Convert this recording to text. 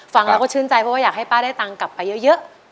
ฟังแล้วก็ชื่นใจเพราะว่าอยากให้ป้าได้ตังค์กลับไปเยอะ